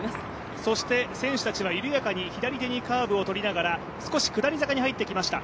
選手たちは緩やかに左手にカーブを取りながら少し、下り坂に入ってきました。